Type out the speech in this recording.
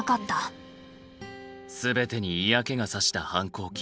全てに嫌気がさした反抗期。